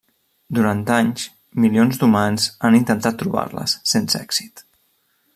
Durant anys, milions d'humans han intentat trobar-les, sense èxit.